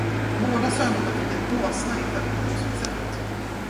Båda sönerna fick en åsna i femtonårspresent.